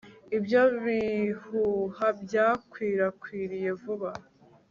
ibyo bihuha byakwirakwiriye vuba